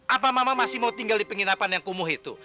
apa mama masih mau tinggal di penginapan yang kumuh itu